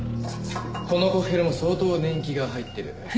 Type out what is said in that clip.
このコッヘルも相当年季が入ってる。